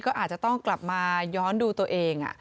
ก็อาจจะต้องกลับมาย้อนดูตัวเอง